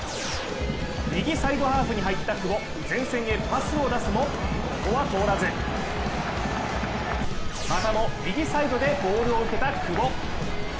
右サイドハーフに入った久保、前線へパスを出すも、ここは通らずまたも右サイドでボールを受けた久保。